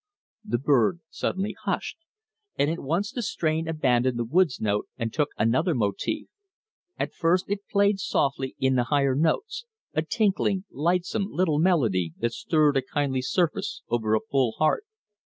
The bird suddenly hushed, and at once the strain abandoned the woods note and took another motif. At first it played softly in the higher notes, a tinkling, lightsome little melody that stirred a kindly surface smile over a full heart.